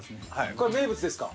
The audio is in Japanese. これ名物ですか。